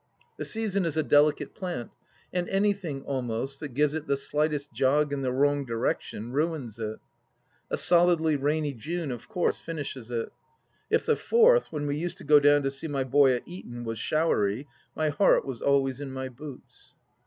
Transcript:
The season is a delicate plant, and anything, almost, that gives it the slightest jog in the wrong direction ruins it. A solidly rainy June of course finishes it. If the Fourth, when we used to go down to see my boy at Eton, was showery, my heart was always in my boots.